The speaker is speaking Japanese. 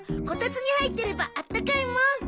こたつに入ってればあったかいもん。